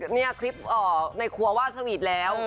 นี่คลิปในครัวว่าสวีทแล้ว